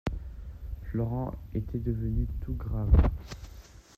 Florent était devenu tout grave.